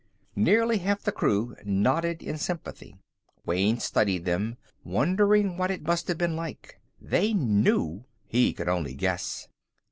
Nearly half the crew nodded in sympathy. Wayne studied them, wondering what it must have been like. They knew; he could only guess.